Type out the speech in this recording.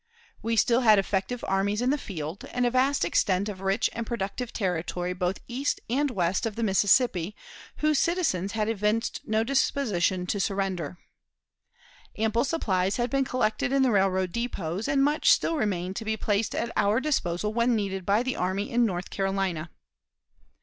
We still had effective armies in the field, and a vast extent of rich and productive territory both east and west of the Mississippi, whose citizens had evinced no disposition to surrender. Ample supplies had been collected in the railroad depots, and much still remained to be placed at our disposal when needed by the army in North Carolina.